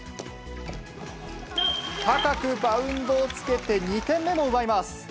高くバウンドをつけて２点目も奪います。